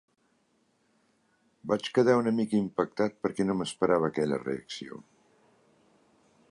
Vaig quedar una mica impactat perquè no m’esperava aquella reacció.